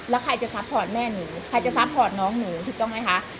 แล้วใครจะซัพพอร์ตแม่หนูใครจะซัพพอร์ตน้องหนูถูกต้องไหมคะ